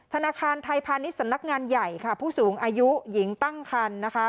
ธนาคารไทยพาณิชย์สำนักงานใหญ่ค่ะผู้สูงอายุหญิงตั้งคันนะคะ